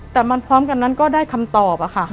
แต่มันพร้อมกันนั้นก็ได้คำตอบอะค่ะ